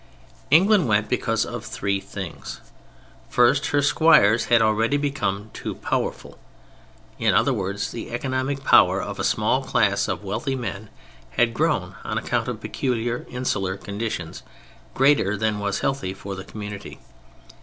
England went because of three things. First, her Squires had already become too powerful. In other words, the economic power of a small class of wealthy men had grown, on account of peculiar insular conditions, greater than was healthy for the community.